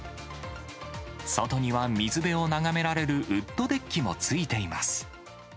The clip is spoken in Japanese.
外には水辺をながめられるウッドデッキもついています。